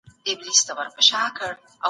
ژوند د وحدت څراغ دئ